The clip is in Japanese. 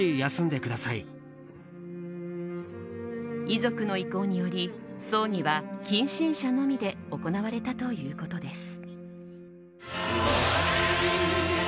遺族の意向により葬儀は近親者のみで行われたということです。